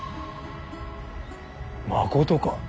まことか。